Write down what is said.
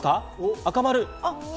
赤丸。